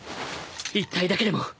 １体だけでも